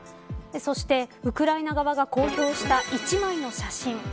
そして、ウクライナ側が公表した一枚の写真。